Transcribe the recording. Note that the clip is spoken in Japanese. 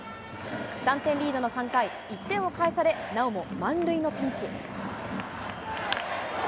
３点リードの３回、１点を返され、なおも満塁のピンチ。